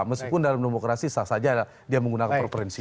meskipun dalam demokrasi sah saja dia menggunakan preferensi